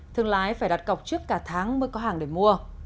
thương lái phải đặt cọc trước cả tháng mới có hàng để mua